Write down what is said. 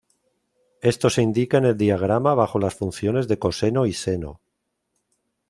Esto se indica en el diagrama bajo las funciones de coseno y seno.